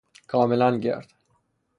کاملا گرد